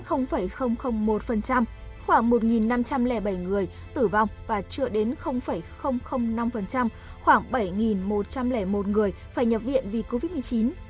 khoảng một năm trăm linh bảy người tử vong và chưa đến năm khoảng bảy một trăm linh một người phải nhập viện vì covid một mươi chín